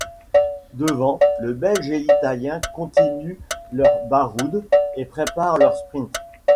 Devant, le Belge et l'Italien continuent leur baroud et préparent leur sprint.